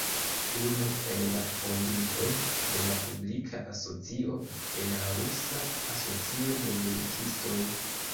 Unu el la fondintoj de la publika asocio "Belarusa Asocio de Militistoj.